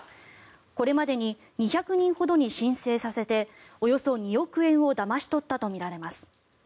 これまでに２００人ほどに申請させておよそ２億円をだまし取ったとみられます。